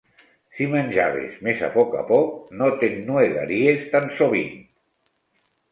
Si menjaves més a poc a poc, no t'ennuegaries tan sovint.